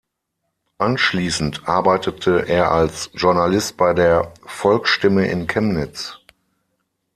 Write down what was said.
Anschließend arbeitete er als Journalist bei der „Volksstimme“ in Chemnitz.